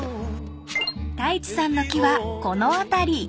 ［太一さんの木はこの辺り］